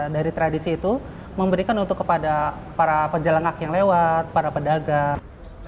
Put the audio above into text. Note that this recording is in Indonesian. dari tradisi itu memberikan untuk kepada para penjelengak yang lewat para pedagang